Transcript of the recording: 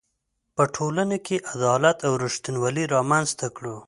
په ټولنه کې عدالت او ریښتینولي رامنځ ته کړو.